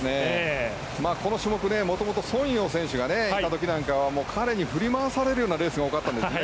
この種目、もともとソン・ヨウ選手がいた時なんかは彼に振り回されるようなレースが多かったんですね。